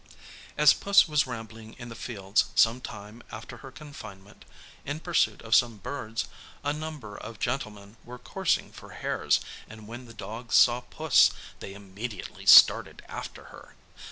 As Puss was rambling in the fields some time after her confinement, in pursuit of some birds, a number of gentlemen were coursing for hares, and when the dogs saw Puss, they immediately started after her.